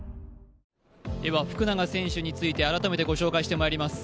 今、福永選手について改めてご紹介してまいります。